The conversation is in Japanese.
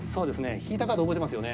引いたカード覚えてますよね？